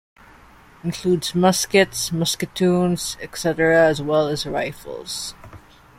"Includes muskets, musketoons, etc., as well as rifles"